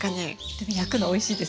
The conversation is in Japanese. でも焼くのおいしいです